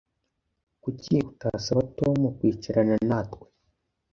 Kuki utasaba Tom kwicarana natwe